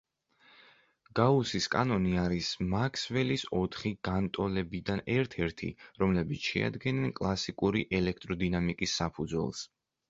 გაუსის კანონი არის მაქსველის ოთხი განტოლებიდან ერთ-ერთი, რომლებიც შეადგენენ კლასიკური ელექტროდინამიკის საფუძველს.